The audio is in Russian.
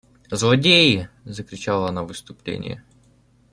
«Злодеи! – закричала она в исступлении.